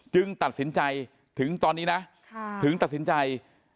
ตัดสินใจถึงตอนนี้นะถึงตัดสินใจ